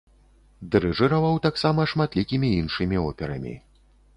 Дырыжыраваў таксама шматлікімі іншымі операмі.